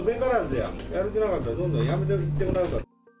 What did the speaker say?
やる気なかったらどんどん辞めていってもらうから。